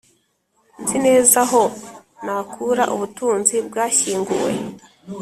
nzi neza aho nakura ubutunzi bwashyinguwe.